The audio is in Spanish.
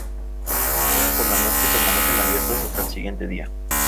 Abren por la noche y permanecen abiertas hasta el día siguiente.